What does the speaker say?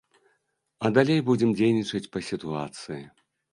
А далей будзем дзейнічаць па сітуацыі.